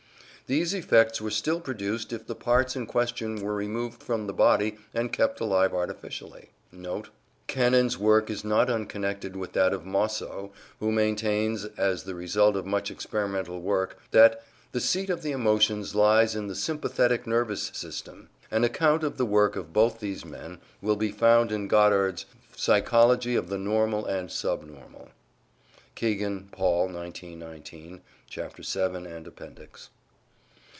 These effects were still produced if the parts in question were removed from the body and kept alive artificially.* * Cannon's work is not unconnected with that of Mosso, who maintains, as the result of much experimental work, that "the seat of the emotions lies in the sympathetic nervous system." An account of the work of both these men will be found in Goddard's "Psychology of the Normal and Sub normal" (Kegan Paul, 1919), chap. vii and Appendix.